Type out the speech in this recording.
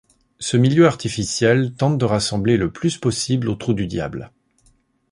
Ce milieu artificiel tente de ressembler le plus possible au trou du Diable.